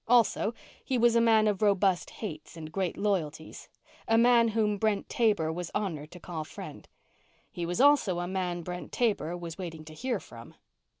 Also, he was a man of robust hates and great loyalties; a man whom Brent Taber was honored to call friend. He was also a man Brent Taber was waiting to hear from.